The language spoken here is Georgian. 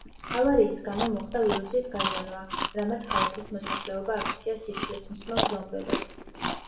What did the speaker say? ავარიის გამო, მოხდა ვირუსის გაჟონვა, რამაც ქალაქის მოსახლეობა აქცია სისხლის მსმელ ზომბებად.